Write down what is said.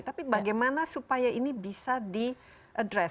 tapi bagaimana supaya ini bisa di address